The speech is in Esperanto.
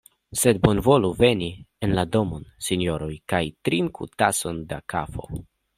Sed bonvolu veni en la domon, sinjoroj, kaj trinku tason da kafo!